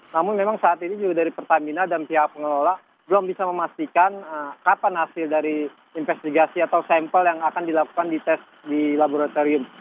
namun memang saat ini juga dari pertamina dan pihak pengelola belum bisa memastikan kapan hasil dari investigasi atau sampel yang akan dilakukan di tes di laboratorium